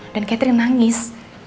dan katherine nangis